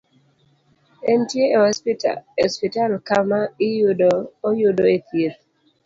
Entie e osiptal ka ma oyudo e thieth